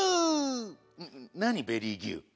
なにベリーギュウって。